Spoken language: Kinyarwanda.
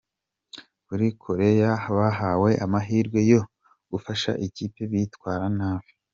kuri Koreya bahawe amahirwe yo gufasha ikipe bitwara nabi.